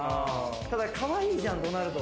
ただ、かわいいじゃん、ドナルド。